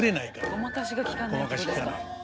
ごまかしがきかないわけですか。